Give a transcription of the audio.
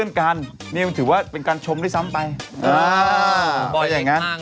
ยังดูอายอาซุปญเลย